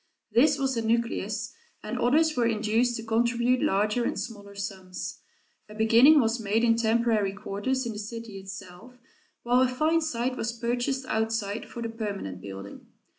This was a nucleus, and others were induced to contribute larger and smaller sums. A beginning was made in temporary quarters in the city itself, while a fine site was purchased outside for the permanent building.